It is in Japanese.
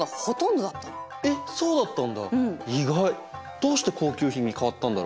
どうして高級品に変わったんだろう？